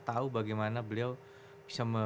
tahu bagaimana beliau bisa